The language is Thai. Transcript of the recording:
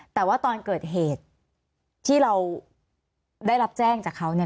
แต่ว่าตอนเกิดเหตุที่เราได้รับแจ้งจากเขาเนี่ย